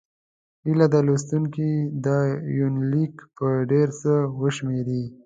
هيله ده لوستونکي دا یونلیک په ډېر څه وشمېري.